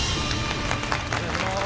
お願いします。